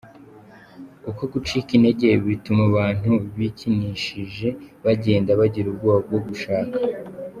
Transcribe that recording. Uko gucika intege bituma abantu bikinishije bagenda bagira ubwoba bwo gushaka.